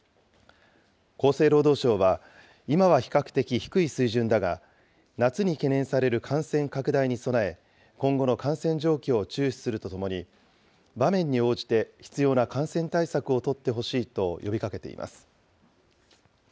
厚生労働省は、今は比較的低い水準だが、夏に懸念される感染拡大に備え、今後の感染状況を注視するとともに、場面に応じて必要な感染対策を取ってほしいと呼びかけています。